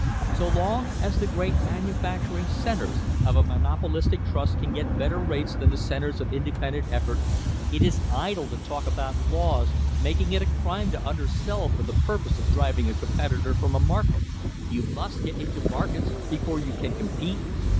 So long as the great manufacturing centres of a monopolistic trust can get better rates than the centres of independent effort, it is idle to talk about laws making it a crime to undersell for the purpose of driving a competitor from a market. You must get into markets before you can compete.